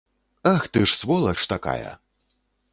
Ах ты ж сволач такая!